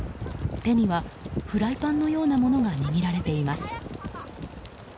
手にはフライパンのようなものが握られています。